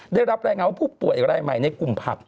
ได้รับรายงานว่าผู้ป่วยรายใหม่ในกลุ่มผับ